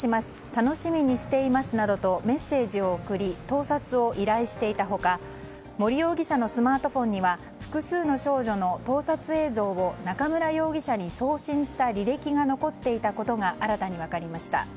楽しみにしていますなどとメッセージを送り盗撮を依頼していた他森容疑者のスマートフォンには複数の少女の盗撮映像を中村容疑者に送信した履歴が残っていたことが新たに分かりました。